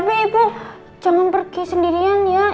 tapi ibu jangan pergi sendirian ya